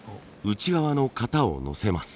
内側の型をのせます。